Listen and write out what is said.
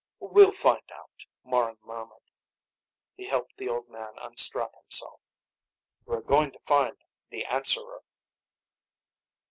"We'll find out," Morran murmured. He helped the old man unstrap himself. "We're going to find the Answerer!"